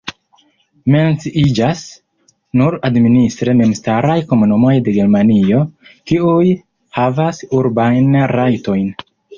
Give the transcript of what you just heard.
Menciiĝas nur administre memstaraj komunumoj de Germanio, kiuj havas urbajn rajtojn.